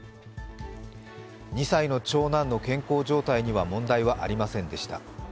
２歳の長男の健康状態には問題はありませんでした。